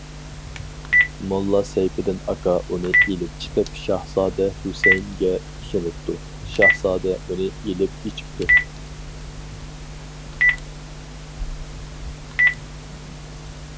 موللا سەيپىدىن ئاكا ئۇنى ئېلىپ چىقىپ شاھزادە ھۈسەيىنگە سۇنۇپتۇ، شاھزادە ئۇنى ئېلىپ ئىچىپتۇ.